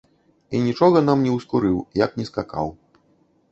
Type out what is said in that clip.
І нічога нам не ўскурыў, як ні скакаў.